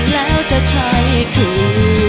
แล้วจะใช้คือ